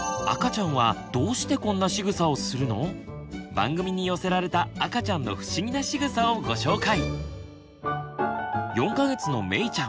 番組に寄せられた「赤ちゃんの不思議なしぐさ」をご紹介！